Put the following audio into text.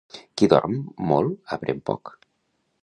Qui dorm molt aprèn poc.